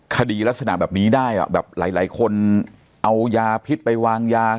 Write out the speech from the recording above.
คดีลักษณะแบบนี้ได้อ่ะแบบหลายคนเอายาพิษไปวางยา